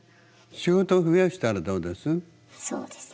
仕事増やしたらどうです？